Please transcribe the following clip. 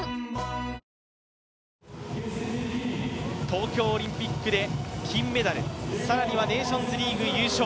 東京オリンピックで金メダル、更にはネーションズリーグ優勝